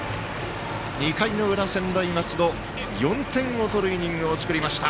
２回の裏、専大松戸４点を取るイニングを作りました。